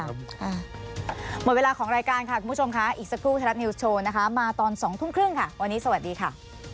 หมดเวลาของรายการค่ะคุณผู้ชมค่ะอีกสักครู่ไทยรัฐนิวส์โชว์นะคะมาตอน๒ทุ่มครึ่งค่ะวันนี้สวัสดีค่ะ